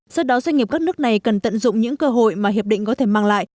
do đó doanh nghiệp các nước này cần tận dụng những cơ hội mà hiệp định có thể mang lại